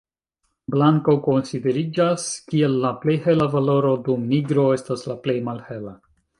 Blanko konsideriĝas, kiel la plej hela valoro, dum nigro estas la plej malhela.